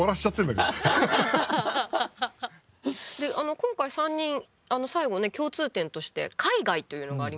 今回３人最後ね共通点として海外というのがありましたよね。